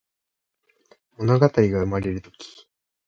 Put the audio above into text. ものがたりがうまれるとき